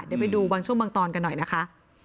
เดี๋ยวไปดูบางช่วงบางตอนกันหน่อยนะคะ